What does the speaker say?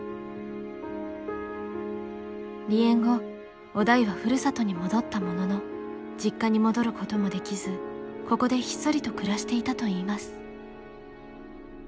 離縁後於大はふるさとに戻ったものの実家に戻ることもできずここでひっそりと暮らしていたといいます。